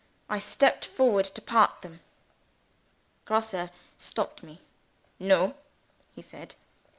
I stepped forward to part them. Grosse stopped me. "No!" he said.